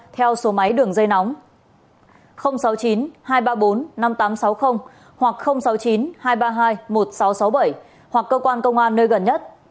theo số máy đường dây nóng sáu mươi chín hai trăm ba mươi bốn năm nghìn tám trăm sáu mươi hoặc sáu mươi chín hai trăm ba mươi hai một nghìn sáu trăm sáu mươi bảy hoặc cơ quan công an nơi gần nhất